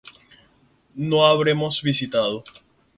No habremos visitado